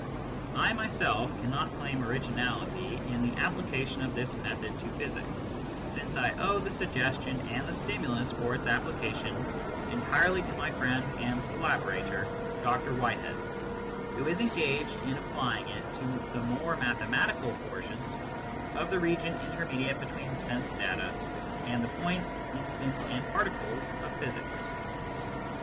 I myself cannot claim originality in the application of this method to physics, since I owe the suggestion and the stimulus for its application entirely to my friend and collaborator Dr. Whitehead, who is engaged in applying it to the more mathematical portions of the region intermediate between sense data and the points, instants and particles of physics.